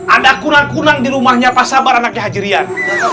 anda kunang kunang di rumahnya pak sabar anaknya hajirian